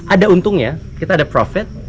ada untungnya kita ada profit